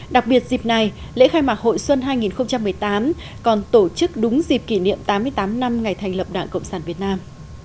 đặc biệt dịp này lễ khai mạc hội xuân hai nghìn một mươi tám còn tổ chức đúng dịp kỷ niệm tám mươi tám năm ngày thành lập đảng cộng sản việt nam